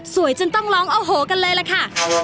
จนต้องร้องโอ้โหกันเลยล่ะค่ะ